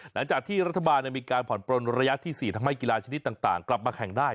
หลังจากที่รัฐบาลมีการผ่อนปลนระยะที่๔ทำให้กีฬาชนิดต่างกลับมาแข่งได้